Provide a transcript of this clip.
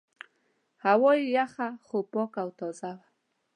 هوا یې یخه خو پاکه او تازه وه.